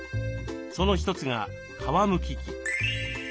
その一つが皮むき器。